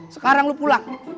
sekarang lu pulang